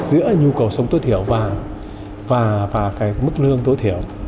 nếu nhu cầu sống tối thiểu và mức lương tối thiểu